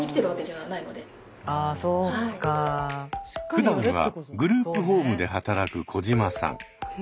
ふだんはグループホームで働く小島さん。